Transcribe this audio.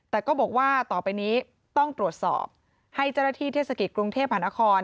แต่ก็บอกว่าต่อไปนี้ต้องตรวจสอบให้เจ้าหน้าที่เทศกิจกรุงเทพหานคร